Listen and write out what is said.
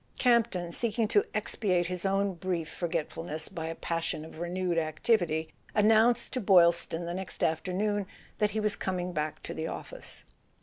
Camp ton, seeking to ex¬ piate his own brief forgetfulness by a passion of re¬ newed activity, announced to Boylston the next after¬ noon that he was coming back to the office.